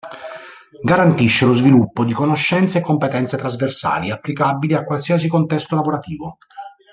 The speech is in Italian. Garantisce lo sviluppo di conoscenze e competenze trasversali applicabili a qualsiasi contesto lavorativo.